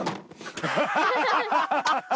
ハハハハハ！